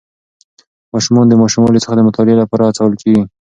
ماشومان د ماشوموالي څخه د مطالعې لپاره هڅول کېږي.